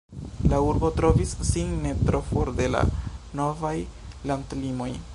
La urbo trovis sin ne tro for de la novaj landlimoj.